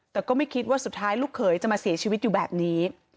แต่ก็ไม่คิดว่าสุดท้ายลูกเขยจะมาเสียชีวิตอยู่แบบนี้